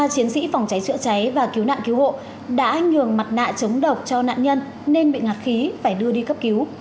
ba chiến sĩ phòng cháy chữa cháy và cứu nạn cứu hộ đã nhường mặt nạ chống độc cho nạn nhân nên bị ngạt khí phải đưa đi cấp cứu